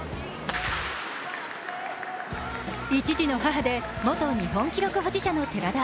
１児の母で、元日本記録保持者の寺田。